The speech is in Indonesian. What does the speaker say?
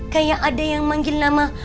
kayak ada yang manggil nama